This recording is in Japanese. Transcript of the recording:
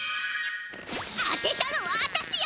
あてたのはあたしよ！